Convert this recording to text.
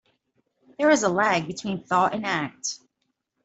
There is a lag between thought and act.